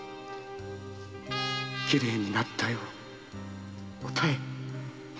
きれいになったよ妙。